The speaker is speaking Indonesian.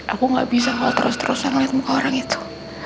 aku gak bisa kalau terus terusan lihat muka orang itu